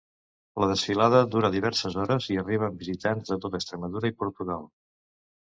La desfilada dura diverses hores i arriben visitants de tota Extremadura i Portugal.